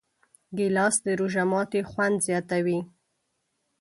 ګیلاس د روژه ماتي خوند زیاتوي.